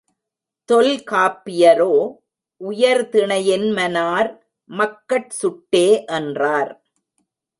தொல்காப்பியரோ உயர்திணையென்மனார் மக்கட் சுட்டே என்றார்.